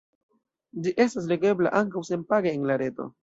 Ĝi estas legebla ankaŭ senpage en la reto.